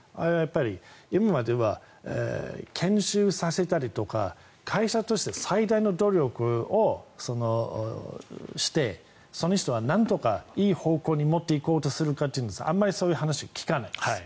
今では研修させたりとか会社として最大の努力をしてその人はなんとかいい方向に持っていくかというんですがあんまりそういう話は聞かないです。